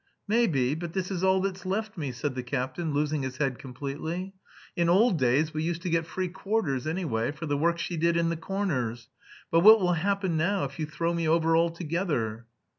"Maybe, but this is all that's left me," said the captain, losing his head completely. "In old days we used to get free quarters, anyway, for the work she did in the 'corners.' But what will happen now if you throw me over altogether?"